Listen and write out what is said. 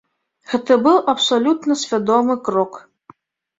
Гэта быў абсалютна свядомы крок.